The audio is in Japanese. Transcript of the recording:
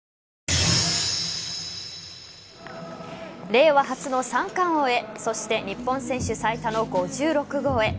令和初の三冠王へそして日本選手最多の５６号へ。